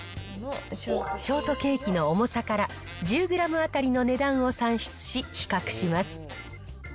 ショートケーキの重さから、１０グラム当たりの値段を算出し、比較します。